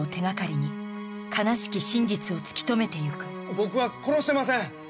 僕は殺してません！